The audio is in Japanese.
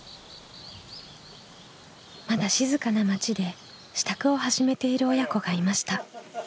まだ静かな町で支度を始めている親子がいました。